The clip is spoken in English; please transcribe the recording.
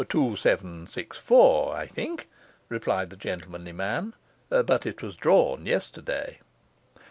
'Two seven six four, I think,' replied the gentlemanly man; 'but it was drawn yesterday.